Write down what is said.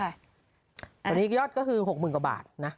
ตอนนี้ยอดก็คือ๖๐๐๐๐บาท